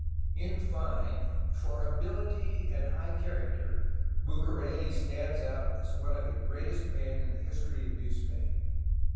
In fine, for ability and high character Bucareli stands out as one of the greatest men in the history of New Spain.